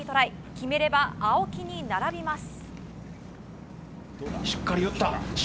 決めれば青木に並びます。